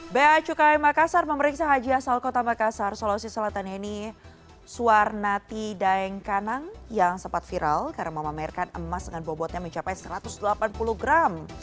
ba cukai makassar memeriksa haji asal kota makassar sulawesi selatan yeni suarnati daeng kanang yang sempat viral karena memamerkan emas dengan bobotnya mencapai satu ratus delapan puluh gram